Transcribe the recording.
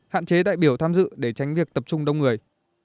hạn chế đại biểu tham dự để tránh việc tập trung đông người